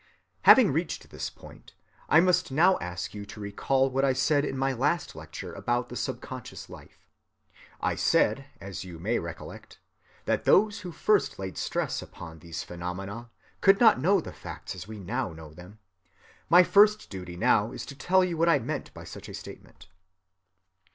And having reached this point, I must now ask you to recall what I said in my last lecture about the subconscious life. I said, as you may recollect, that those who first laid stress upon these phenomena could not know the facts as we now know them. My first duty now is to tell you what I meant by such a statement.